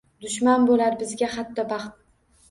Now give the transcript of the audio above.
Dushman bo’lar bizga hatto baxt.